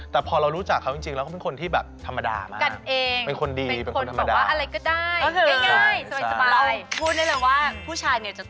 แต่พอเรารู้จักเขาจริงแล้วแบบคนนั้นจะเป็นคนที่ธรรมดามาก